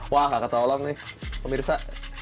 wah kakak tolong nih pemirsa